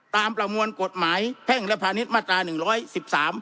ประมวลกฎหมายแพ่งและพาณิชย์มาตราหนึ่งร้อยสิบสาม